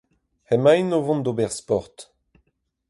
Emaint o vont d'ober sport.